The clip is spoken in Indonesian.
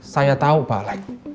saya tau pak alek